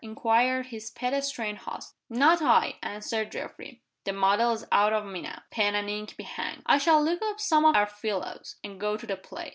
inquired his pedestrian host. "Not I!" answered Geoffrey. "The muddle's out of me now. Pen and ink be hanged! I shall look up some of our fellows, and go to the play."